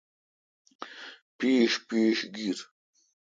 پیݭ پیݭ گیر۔